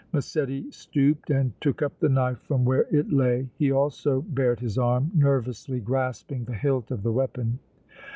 Massetti stooped and took up the knife from where it lay. He also bared his arm, nervously grasping the hilt of the weapon.